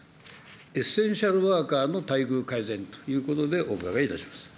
エッセンシャルワーカーの待遇改善ということでお伺いいたします。